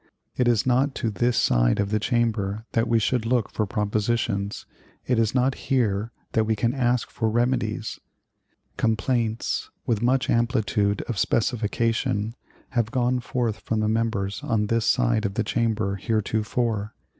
It is not to this side of the Chamber that we should look for propositions; it is not here that we can ask for remedies. Complaints, with much amplitude of specification, have gone forth from the members on this side of the Chamber heretofore.